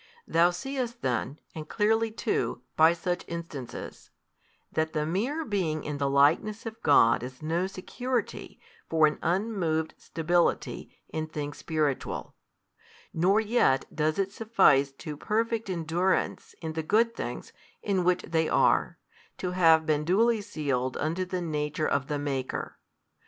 Thou seest then, and clearly too, by such instances, that the mere being in the likeness of God is no security for an unmoved stability in things spiritual, nor yet does it suffice to perfect endurance in the good things in which they are, to have been duly sealed unto the Nature of the Maker.